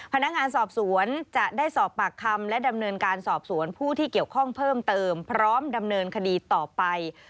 พนักงานสอบสวนจะได้สอบปากคำและดำเนินการสอบสวนผู้ที่เกี่ยวข้องเพิ่มเติมพร้อมดำเนินคดีต่อไป